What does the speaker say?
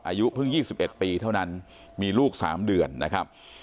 อายุเพิ่งยี่สิบเอ็ดปีเท่านั้นมีลูกสามเดือนนะครับ